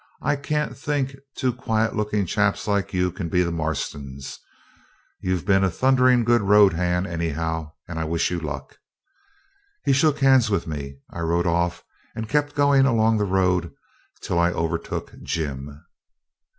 I can't think two quiet looking chaps like you can be the Marstons. You've been a thundering good road hand anyhow, and I wish you luck.' He shook hands with me. I rode off and kept going along the road till I overtook Jim.